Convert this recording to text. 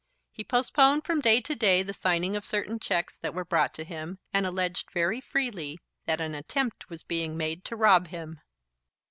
He postponed from day to day the signing of certain cheques that were brought to him, and alleged very freely that an attempt was being made to rob him.